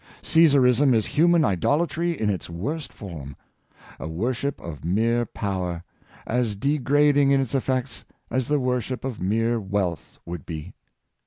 Caesarism is human idolatry in its worst form — a wor ship of mere power, as degrading in its effects as the wor ship of mere wealth would be.